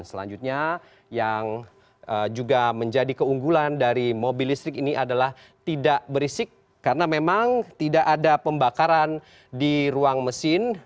selanjutnya yang juga menjadi keunggulan dari mobil listrik ini adalah tidak berisik karena memang tidak ada pembakaran di ruang mesin